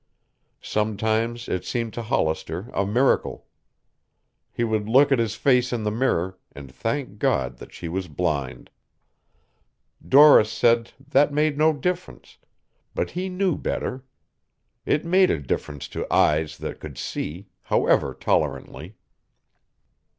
Sometimes it seemed to Hollister a miracle. He would look at his face in the mirror and thank God that she was blind. Doris said that made no difference, but he knew better. It made a difference to eyes that could see, however tolerantly.